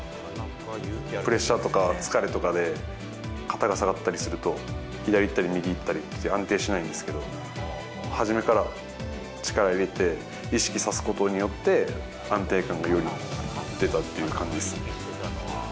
プレッシャーとか疲れとかで肩が下がったりすると、左いったり右いったり、安定しないんですけど、初めから力入れて意識さすことによって、安定感がより出たっていう感じです。